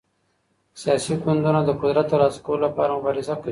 سياسي ګوندونه د قدرت تر لاسه کولو لپاره مبارزه کوي.